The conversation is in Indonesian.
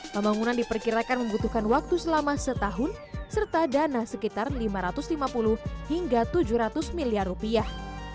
pembangunan diperkirakan membutuhkan waktu selama setahun serta dana sekitar lima ratus lima puluh hingga tujuh ratus miliar rupiah